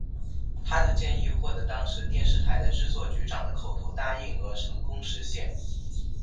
他的建议获得当时电视台的制作局长的口头答应而成功实现。